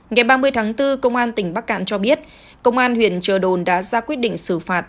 ngày ba mươi tháng bốn công an tỉnh bắc cạn cho biết công an huyện trợ đồn đã ra quyết định xử phạt